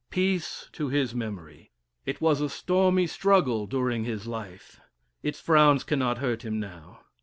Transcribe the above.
Peace to his memory! It was a stormy struggle during his life; its frowns cannot hurt him now.